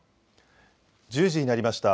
１０時になりました。